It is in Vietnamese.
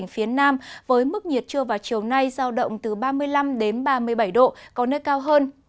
phía nam với mức nhiệt trưa vào chiều nay giao động từ ba mươi năm đến ba mươi bảy độ có nơi cao hơn